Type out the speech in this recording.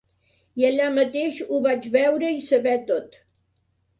I allà mateix ho vaig veure i saber tot.